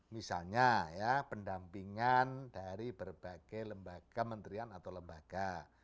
misalnya ya pendampingan dari berbagai lembaga menterian atau lembaga